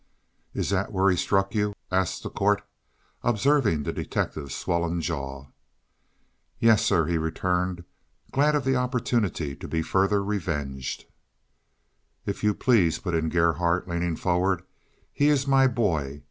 "Is that where he struck you?" asked the Court, observing the detective's swollen jaw. "Yes, sir," he returned, glad of an opportunity to be further revenged. "If you please," put in Gerhardt, leaning forward, "he is my boy.